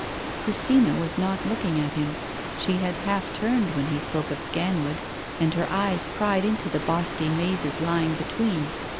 ..." Christina was not looking at him. She had half turned when he spoke of Scanwood, and her eyes pried into the bosky mazes lying between.